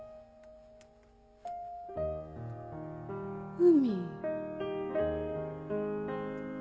海。